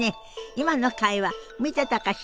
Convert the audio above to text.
今の会話見てたかしら？